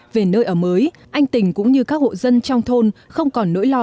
về nơi ở mới anh tình cũng như các hộ dân trong thôn không còn nỗi lo